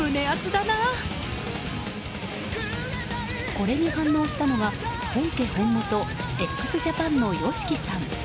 これに反応したのは本家本元ＸＪＡＰＡＮのＹＯＳＨＩＫＩさん。